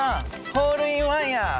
ホール・イン・ワンや！